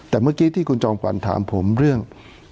แต่เมื่อกี้ที่คุณจอมขวัญถามผมเรื่อง